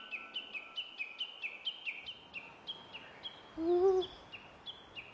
うん。